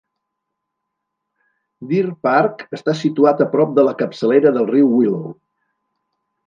Deer Park està situat a prop de la capçalera del riu Willow.